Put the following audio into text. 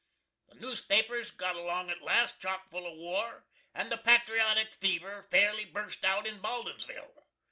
The newspapers got along at last, chock full of war, and the patriotic fever fairly bust out in Baldinsville.